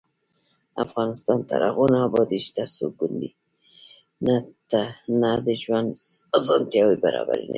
افغانستان تر هغو نه ابادیږي، ترڅو کونډې ته د ژوند اسانتیاوې برابرې نشي.